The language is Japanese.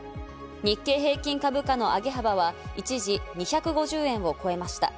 日経平均株価の上げ幅は一時２５０円を超えました。